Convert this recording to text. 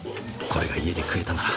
これが家で食えたなら。